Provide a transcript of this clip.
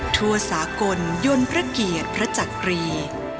ทั่วสากลยนต์พระเกียรติพระจักรี